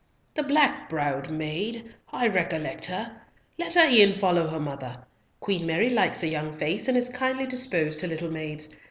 "The black browed maid—I recollect her. Let her e'en follow her mother. Queen Mary likes a young face, and is kindly disposed to little maids.